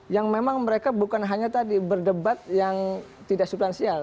yang memang mereka bukan hanya tadi berdebat yang tidak substansial